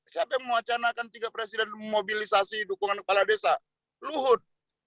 siapa yang mewacanakan tiga presiden memobilisasi dukungan kepala desa luhut